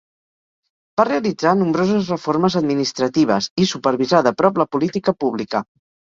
Va realitzar nombroses reformes administratives i supervisà de prop la política pública.